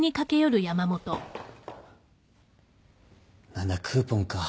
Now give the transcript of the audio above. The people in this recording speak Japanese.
何だクーポンか。